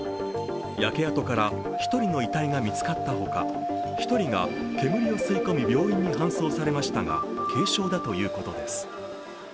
焼け跡から１人の遺体が見つかったほか、１人が煙を吸い込み病院に搬送されましたが軽傷だということです。